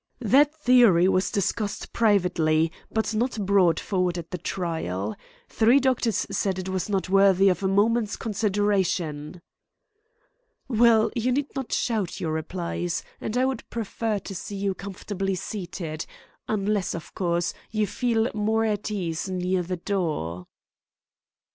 "That theory was discussed privately, but not brought forward at the trial. Three doctors said it was not worthy of a moment's consideration." "Well, you need not shout your replies, and I would prefer to see you comfortably seated, unless, of course, you feel more at ease near the door."